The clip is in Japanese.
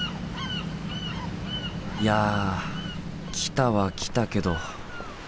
いや来たは来たけど。